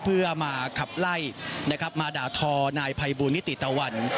เพื่อมาขับไล่มาด่าท้อนายไพบุญนิตต๊ะวัน